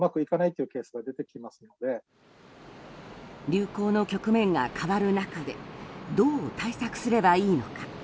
流行の局面が変わる中でどう対策すればいいのか。